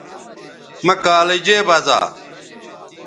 مہ کالجے بزا